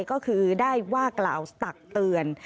ก็คือได้ว่ากล่าวตักเตือน